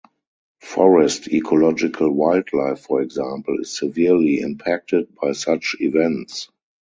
Forest ecological wildlife, for example, is severely impacted by such events.